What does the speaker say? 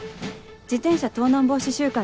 自転車盗難防止週間です。